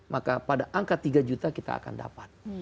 maka pada angka tiga juta kita akan dapat